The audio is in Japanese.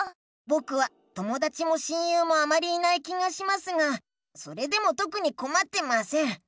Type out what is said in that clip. ぼくはともだちも親友もあまりいない気がしますがそれでもとくにこまってません。